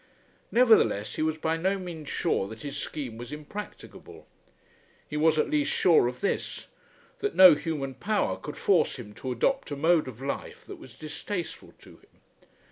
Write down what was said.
Nevertheless he was by no means sure that his scheme was impracticable. He was at least sure of this, that no human power could force him to adopt a mode of life that was distasteful to him.